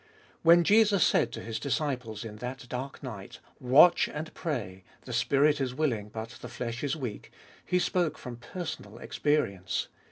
When Jesus said to His disciples in that dark night, " Watch and pray ; the spirit is willing, but the flesh is weak," He spoke from personal experience.